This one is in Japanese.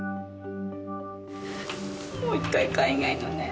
もう一回海外のね